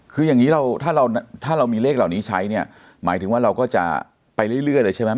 คืออย่างนี้เราถ้าเราถ้าเรามีเลขเหล่านี้ใช้เนี่ยหมายถึงว่าเราก็จะไปเรื่อยเลยใช่ไหม